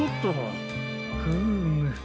フーム。